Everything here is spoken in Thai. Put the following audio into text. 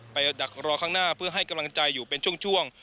ดักรอข้างหน้าเพื่อให้กำลังใจอยู่เป็นช่วง